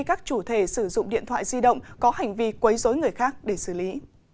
các chủ thể sử dụng điện thoại di động có hành vi quấy dối người khác để xử lý